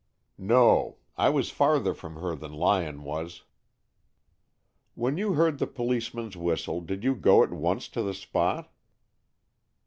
"No. I was farther from her than Lyon was." "When you heard the policeman's whistle, did you go at once to the spot?"